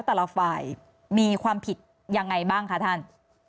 แต่ละฝ่ายมีความผิดยังไงบ้างคะท่าน